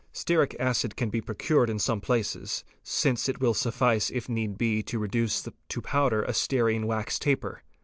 Stearic acid can be procured in some places, since it will suffice if need be to reduce to powder a stearine wax taper.